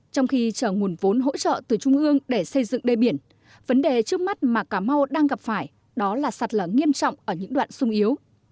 trong khi chờ nguồn vốn hỗ trợ từ trung ương để xây dựng đê biển vấn đề trước mắt mà cà mau đang gặp phải đó là sạt lở nghiêm trọng ở những đoạn sung yếu